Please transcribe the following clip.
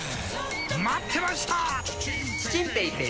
待ってました！